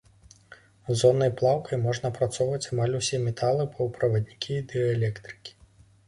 Зоннай плаўкай можна апрацоўваць амаль усе металы, паўправаднікі і дыэлектрыкі.